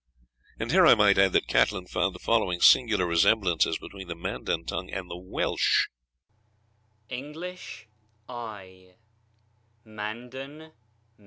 And here I might add that Catlin found the following singular resemblances between the Mandan tongue and the Welsh: +++++| English. | Mandan.